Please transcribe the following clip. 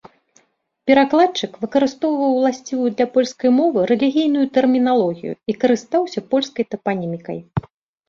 Перакладчык выкарыстоўваў уласцівую для польскай мовы рэлігійную тэрміналогію і карыстаўся польскай тапанімікай.